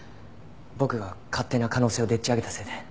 僕が勝手な可能性をでっち上げたせいで。